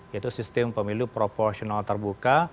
yaitu sistem pemilu proporsional terbuka